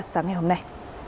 sáng ngày hôm nay